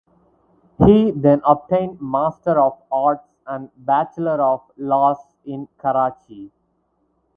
He then obtained Master of Arts and Bachelor of Laws in Karachi.